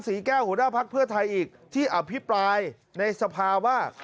ศรีแก้วหัวหน้าภักดิ์เพื่อไทยอีกที่อภิปรายในสภาว่า